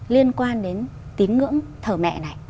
liên quan đến tín ngưỡng thờ mẹ này